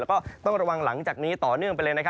แล้วก็ต้องระวังหลังจากนี้ต่อเนื่องไปเลย